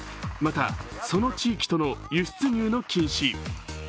また、その地域との輸出入の禁止。